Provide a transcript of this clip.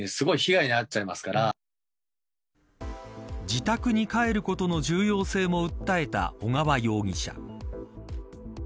自宅に帰ることの重要性も訴えた小川容疑者。